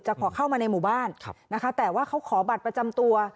ขอเข้ามาในหมู่บ้านนะคะแต่ว่าเขาขอบัตรประจำตัว